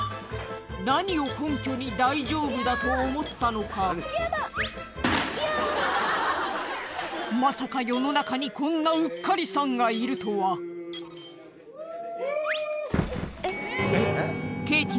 何を根拠に大丈夫だと思ったのかまさか世の中にこんなうっかりさんがいるとはフゥ！